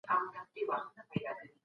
اناره